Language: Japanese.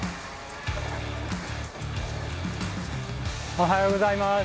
おはようございます。